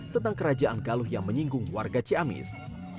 tentang kerajaan galuh yang menyinggung warga ciamis